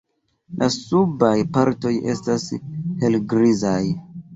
La subaj partoj estas helgrizaj.